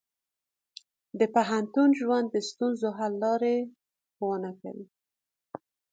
د پوهنتون ژوند د ستونزو حل لارې ښوونه کوي.